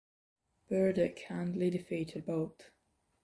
Burdick handily defeated both.